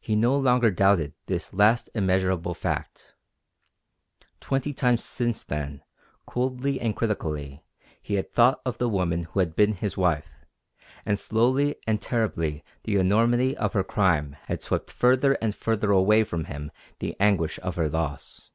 He no longer doubted this last immeasurable fact. Twenty times since then, coldly and critically, he had thought of the woman who had been his wife, and slowly and terribly the enormity of her crime had swept further and further away from him the anguish of her loss.